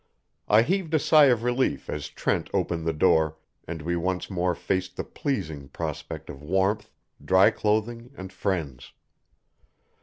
I heaved a sigh of relief as Trent opened the door, and we once more faced the pleasing prospect of warmth, dry clothing and friends.